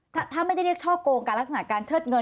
ถ้าไม่ได้เรียกช่อโกงการลักษณะการเชิดเงิน